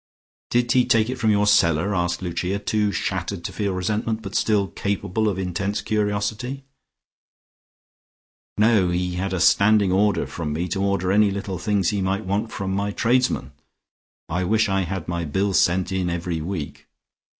"Did he take it from your cellar?" asked Lucia, too shattered to feel resentment, but still capable of intense curiosity. "No: he had a standing order from me to order any little things he might want from my tradesmen. I wish I had my bills sent in every week."